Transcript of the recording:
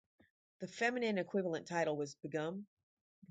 The feminine equivalent title was Begum.